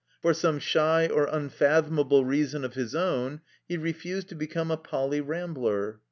For some shy or unfathomable reason of his own he refused to become a Poly. Rambler.